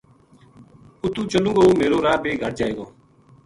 اُتو چلوں گو میرو راہ بے گھَٹ جائے گو